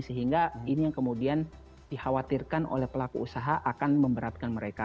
sehingga ini yang kemudian dikhawatirkan oleh pelaku usaha akan memberatkan mereka